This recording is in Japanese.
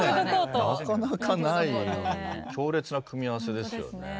なかなかない強烈な組み合わせですよね。